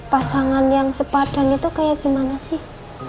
pasangan yang sepadan itu kayak gimana sih